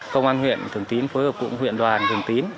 công an huyện thường tín phối hợp cùng huyện đoàn thường tín